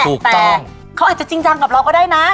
แต่เขาอาจจะจริงจังกับเราก็ได้นะ